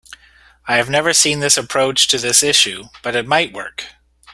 I have never seen this approach to this issue, but it might work.